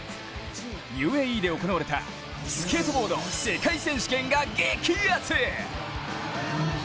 ＵＡＥで行われたスケートボード世界選手権が激熱。